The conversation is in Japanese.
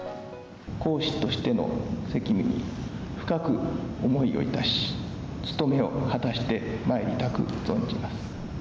皇嗣としての責務に深く思いをいたし、務めを果たしてまいりたく存じます。